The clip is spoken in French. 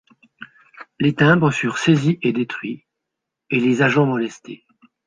Les timbres furent saisis et détruits, et les agents molestés.